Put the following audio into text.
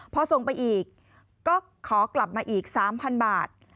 พอส่งไปอีกก็ขอกลับมาอีก๓๐๐๐บาท